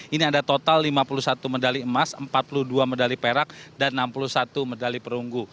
ini ada total lima puluh satu medali emas empat puluh dua medali perak dan enam puluh satu medali perunggu